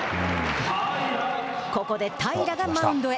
ここで平良がマウンドへ。